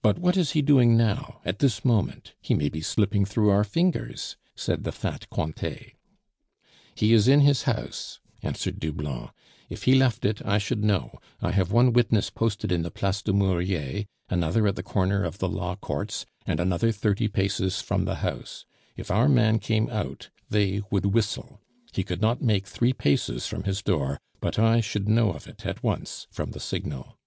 "But what is he doing now, at this moment? He may be slipping through our fingers," said the fat Cointet. "He is in his house," answered Doublon; "if he left it, I should know. I have one witness posted in the Place du Murier, another at the corner of the Law Courts, and another thirty paces from the house. If our man came out, they would whistle; he could not make three paces from his door but I should know of it at once from the signal."